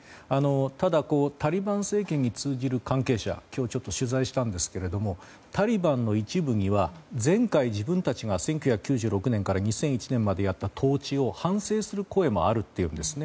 ただ、タリバン政権に通じる関係者を今日ちょっと取材したんですがタリバンの一部には前回、自分たちが１９９６年から２００１年までやった統治を反省する声もあるというんですね。